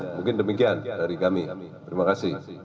mungkin demikian dari kami terima kasih